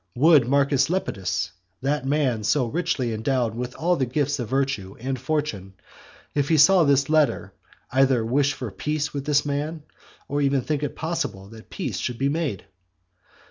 Would Marcus Lepidus, that man so richly endowed with all the gifts of virtue and fortune, if he saw this letter, either wish for peace with this man, or even think it possible that peace should be made?